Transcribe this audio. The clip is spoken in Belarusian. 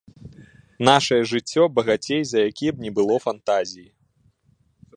Нашае жыццё багацей за якія б ні было фантазіі.